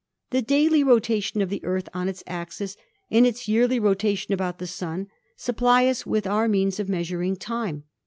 The daily rotation of the Earth on its axis and its yearly rotation about the Sun supply us with our means of meas uring time.